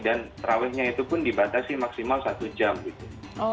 dan terawihnya itu pun dibatasi maksimal satu jam gitu